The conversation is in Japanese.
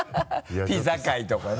ピザ回とかね。